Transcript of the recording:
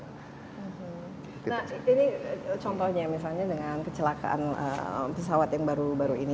nah ini contohnya misalnya dengan kecelakaan pesawat yang baru baru ini